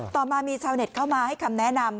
ต่อมามีชาวเน็ตเข้ามาให้คำแนะนำ